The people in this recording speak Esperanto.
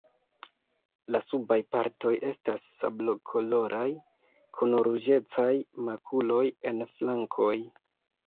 La subaj partoj estas sablokoloraj kun ruĝecaj makuloj en flankoj.